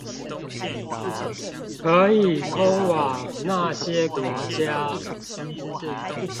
可以通往那些國家